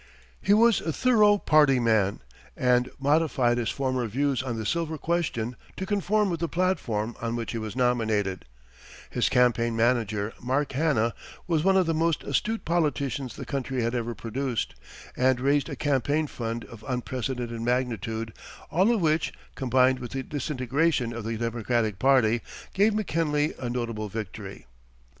He was a thorough party man, and modified his former views on the silver question to conform with the platform on which he was nominated; his campaign manager, Mark Hanna, was one of the most astute politicians the country had ever produced, and raised a campaign fund of unprecedented magnitude; all of which, combined with the disintegration of the Democratic party, gave McKinley a notable victory.